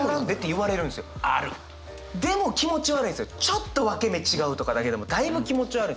ちょっと分け目違うとかだけでもだいぶ気持ち悪いんですよ。